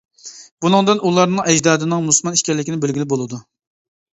بۇنىڭدىن ئۇلارنىڭ ئەجدادىنىڭ مۇسۇلمان ئىكەنلىكىنى بىلگىلى بولىدۇ.